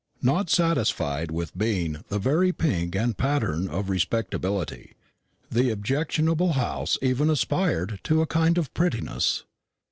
Not satisfied with being the very pink and pattern of respectability, the objectionable house even aspired to a kind of prettiness.